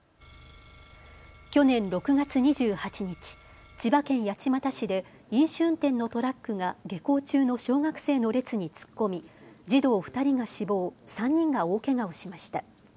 去年６月２８日、千葉県八街市で飲酒運転のトラックが下校中の小学生の列に突っ込み児童２人が死亡、３人が大けがをしました。